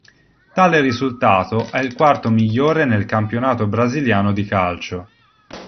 Tale risultato è il quarto migliore nel campionato brasiliano di calcio.